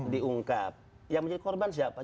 diungkap yang menjadi korban siapa